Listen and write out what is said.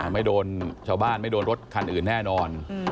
ไม่โดนชาวบ้านไม่โดนรถคันอื่นแน่นอน